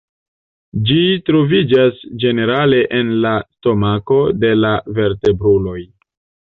Ĝi troviĝas ĝenerale en la stomako de la vertebruloj.